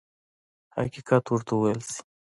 حقیقت ورته وویل شي.